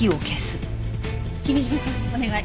君嶋さんお願い。